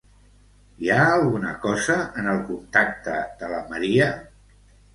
Hi ha alguna cosa en el contacte de la Maria?